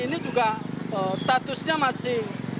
ini juga statusnya masih